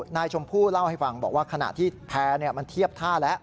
นายชมพู่เล่าให้ฟังบอกว่าขณะที่แพร่มันเทียบท่าแล้ว